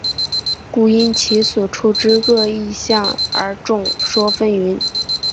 故因其所处之各异形象而众说纷纭。